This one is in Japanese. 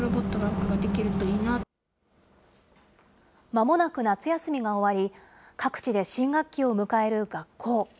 まもなく夏休みが終わり、各地で新学期を迎える学校。